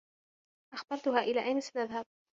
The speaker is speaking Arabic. أخبرتها إلى أين سنذهب.